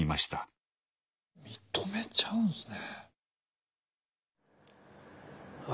認めちゃうんすね。